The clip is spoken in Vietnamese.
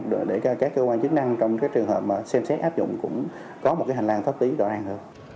để các cơ quan chức năng trong trường hợp xem xét áp dụng cũng có một hành lang thấp tí rõ ràng hơn